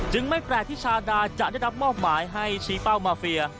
ไม่แปลกที่ชาดาจะได้รับมอบหมายให้ชี้เป้ามาเฟีย